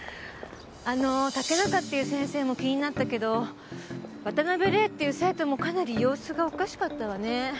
あの竹中っていう先生も気になったけど渡辺玲っていう生徒もかなり様子がおかしかったわね。